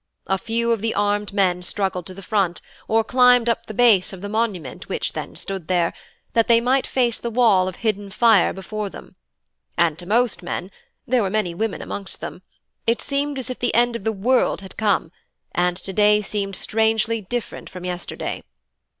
A few of the armed men struggled to the front, or climbled up to the base of the monument which then stood there, that they might face the wall of hidden fire before them; and to most men (there were many women amongst them) it seemed as if the end of the world had come, and to day seemed strangely different from yesterday.